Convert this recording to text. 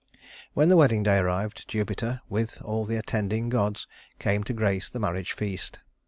When the wedding day arrived, Jupiter, with all the attending gods, came to grace the marriage feast.